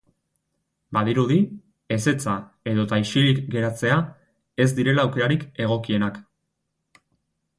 Badirudi, ezetza edota isilik geratzea ez direla aukerarik egokienak.